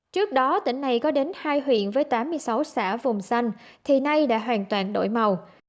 trước đó tỉnh này có đến hai huyện với tám mươi sáu xã vùng xanh thì nay đã hoàn toàn đổi màu